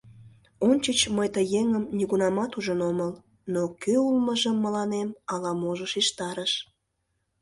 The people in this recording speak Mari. Ончыч мый ты еҥым нигунамат ужын омыл, но кӧ улмыжым мыланем ала-можо шижтарыш.